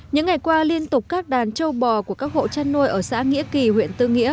những ngày qua liên tục các đàn châu bò của các hộ chăn nuôi ở xã nghĩa kỳ huyện tư nghĩa